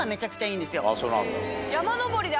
そうなんだ。